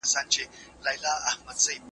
خیرات د بنده او الله اړیکه ده.